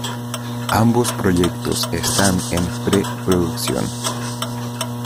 Ambos proyectos están en pre-producción.